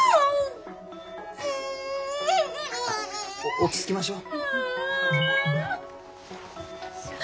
落ち着きましょう。